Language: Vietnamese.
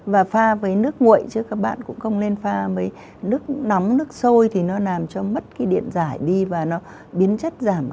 và pha với nước nguội chứ các bạn cũng không lên pha mới nước nóng nước sôi thì nó làm cho mất cái điện giải đi và nó biến chất giảm